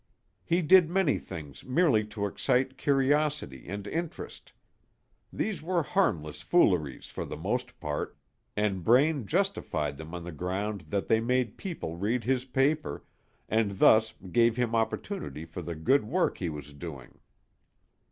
He did many things merely to excite curiosity and interest. These were harmless fooleries for the most part, and Braine justified them on the ground that they made people read his paper, and thus gave him opportunity for the good work he was doing.